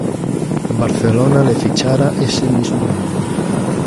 Barcelona le fichara ese mismo año.